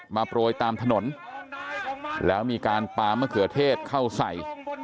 โปรยตามถนนแล้วมีการปามะเขือเทศเข้าใส่